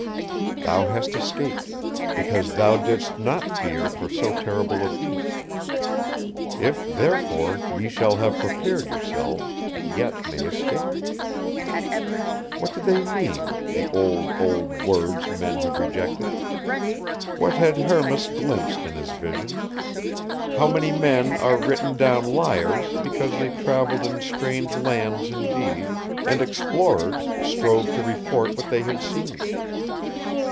Thou hast escaped because thou didst not fear for so terrible a Beast. If, therefore, ye shall have prepared yourselves, yet may escape _" What did they mean, the old, old words men have rejected? What had Hermas glimpsed in his visions? How many men are written down liars because they traveled in strange lands indeed, and explorers, strove to report what they had seen?